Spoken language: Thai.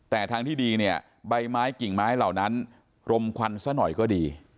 แต่ทางที่ดีเนี่ยใบไม้กิ่งไม้เหล่านั้นรมควันซะหน่อยก็ดี